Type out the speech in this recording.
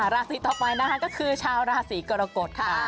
ราศีต่อไปนะคะก็คือชาวราศีกรกฎค่ะ